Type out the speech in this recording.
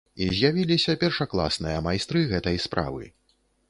І з'явіліся першакласныя майстры гэтай справы.